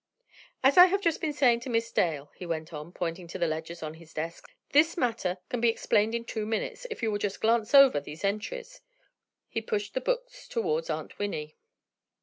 "As I have just been saying to Miss Dale," he went on, pointing to the ledgers on his desks, "this matter can be explained in two minutes, if you will just glance over these entries." He pushed the books toward Aunt Winnie.